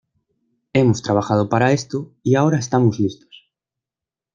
Hemos trabajando para esto, y ahora estamos listos.